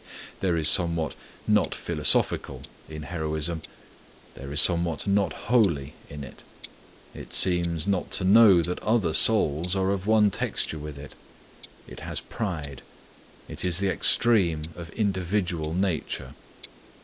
There is somewhat not philosophical in heroism; there is somewhat not holy in it; it seems not to know that other souls are of one texture with it; it has pride; it is the extreme of individual nature.